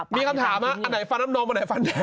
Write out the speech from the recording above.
มีคำถามอันไหนฟันน้ำนมอันไหนฟันแดง